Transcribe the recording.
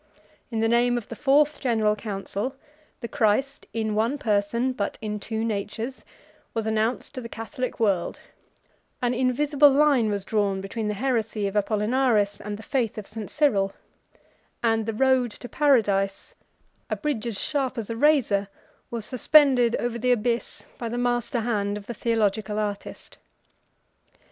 In the name of the fourth general council, the Christ in one person, but in two natures, was announced to the Catholic world: an invisible line was drawn between the heresy of Apollinaris and the faith of St. Cyril; and the road to paradise, a bridge as sharp as a razor, was suspended over the abyss by the master hand of the theological artist.